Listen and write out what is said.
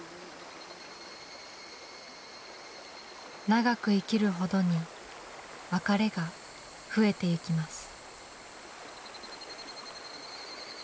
長く生きるほどに別れが増えていきます。